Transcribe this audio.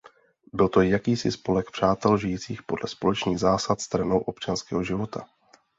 Byl to jakýsi spolek přátel žijících podle společných zásad stranou občanského života.